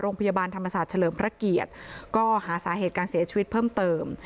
โรงพยาบาลธรรมศาสตร์เฉลิมพระเกียรติก็หาสาเหตุการเสียชีวิตเพิ่มเติม